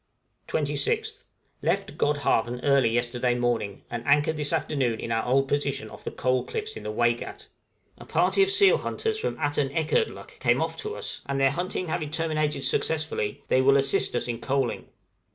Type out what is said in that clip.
{COALING.} 26th. Left Godhavn early yesterday morning, and anchored this afternoon in our old position off the Coal Cliffs in the Waigat; a party of seal hunters from Atanekerdluk came off to us, and their hunting having terminated successfully, they will assist us in coaling.